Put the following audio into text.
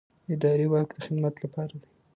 اداري واک د خدمت لپاره دی.